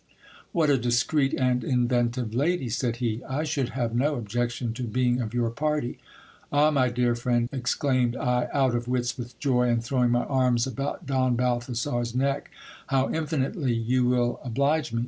What a discreet and inventive lady ! said he. I should have no ob jection to being of your party. Ah ! my dear friend, exclaimed I, out of wits with joy, and throwing my arms about Don Balthazar's neck, how infinitely you wdl oblige me